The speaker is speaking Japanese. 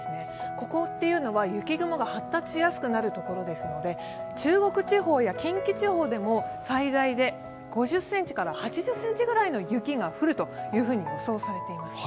ここは雪雲が発達しやすくなる所ですので中国地方や近畿地方でも最大で５０ｃｍから８０ｃｍの雪が降ると予想されています。